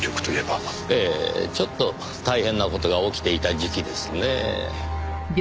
ちょっと大変な事が起きていた時期ですねぇ。